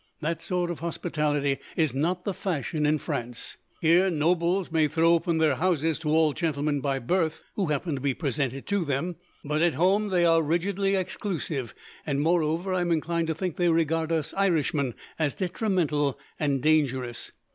That sort of hospitality is not the fashion in France. Here, nobles may throw open their houses to all gentlemen by birth who happen to be presented to them, but at home they are rigidly exclusive; and, moreover, I am inclined to think they regard us Irishmen as detrimental and dangerous.